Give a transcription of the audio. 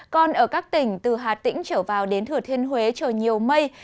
còn ở các tỉnh từ hà tĩnh trở vào đến thừa thiên huế trời nhiều mây